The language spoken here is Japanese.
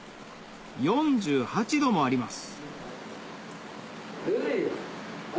４８℃もあります